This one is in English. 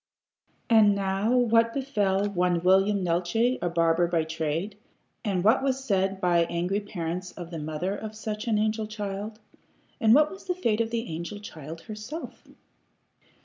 And now what befell one William Neeltje, a barber by trade? And what was said by angry parents of the mother of such an angel child? And what was the fate of the angel child herself?